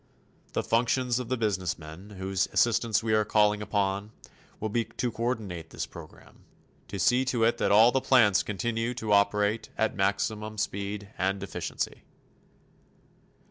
The functions of the businessmen whose assistance we are calling upon will be to coordinate this program to see to it that all of the plants continue to operate at maximum speed and efficiency.